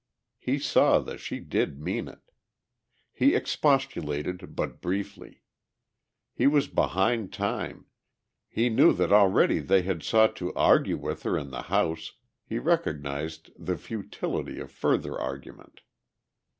He saw that she did mean it. He expostulated, but briefly. He was behind time, he knew that already they had sought to argue with her in the house, he recognized the futility of further argument.